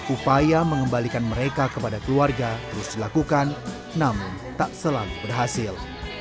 upaya mengembalikan mereka kepada keluarga terus dilakukan namun tak selalu berhasil